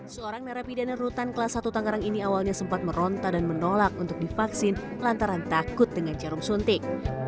seorang narapidana rutan kelas satu tangerang ini awalnya sempat meronta dan menolak untuk divaksin lantaran takut dengan jarum suntik